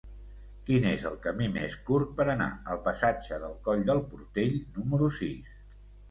Quin és el camí més curt per anar al passatge del Coll del Portell número sis?